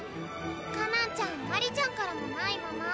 果南ちゃん鞠莉ちゃんからもないまま。